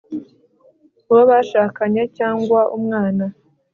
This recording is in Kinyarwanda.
uwo bashakanye cyangwa umwana